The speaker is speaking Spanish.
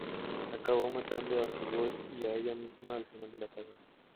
Acabó matando a Sigurd y a ella misma al final de la saga.